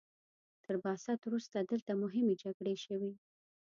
تر بعثت وروسته دلته مهمې جګړې شوي.